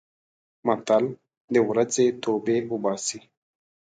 متل: د ورځې توبې اوباسي.